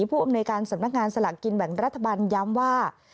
ผู้อำนวยการสำนักงานสลากกินแบ่งรัฐบาลย้ำว่า